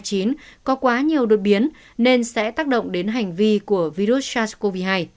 do biến thể b một một năm trăm hai mươi chín có quá nhiều đột biến nên sẽ tác động đến hành vi của virus sars cov hai